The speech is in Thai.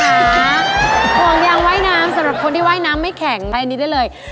ห่วงยางว่ายน้ำสำหรับคนที่ว่ายน้ำไม่แข็งอันนี้ได้เลย